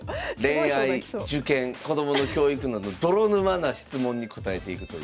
恋愛受験子供の教育など泥沼な質問に答えていくという。